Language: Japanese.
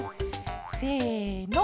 せの！